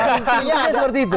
mungkin seperti itu